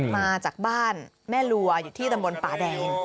มาจากบ้านแม่ลัวอยู่ที่ตำบลป่าแดง